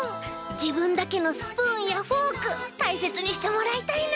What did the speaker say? じぶんだけのスプーンやフォークたいせつにしてもらいたいな。